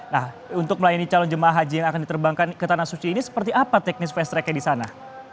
nah untuk melayani calon jemaah haji yang akan diterbangkan ke tanah suci ini seperti apa teknis fast tracknya di sana